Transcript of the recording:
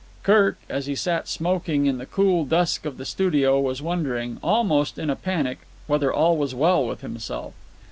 Kirk, as he sat smoking in the cool dusk of the studio, was wondering, almost in a panic, whether all was well with himself.